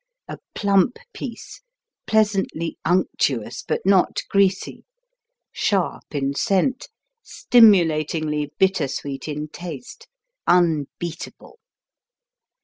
A plump piece, pleasantly unctuous but not greasy, sharp in scent, stimulatingly bittersweet in taste unbeatable.